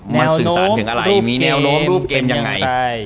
มันสื่อสารถึงอะไรมีแนวโน้มรูปเกมยังไง